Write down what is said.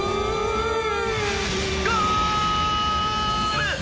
「ゴール！」。